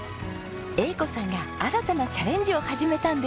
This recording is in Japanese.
英子さんが新たなチャレンジを始めたんです！